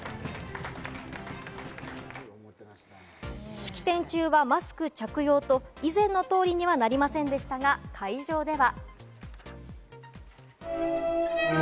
式典中はマスク着用と、以前の通りにはなりませんでしたが、会場では。